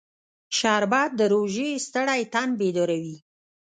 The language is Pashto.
شربت د روژې ستړی تن بیداروي